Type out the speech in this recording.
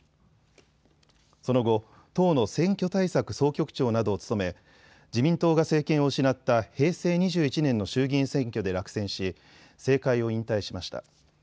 その後、党の選挙対策総局長などを務め自民党が政権を失った平成２１年の衆議院選挙で落選し政界を引退しました。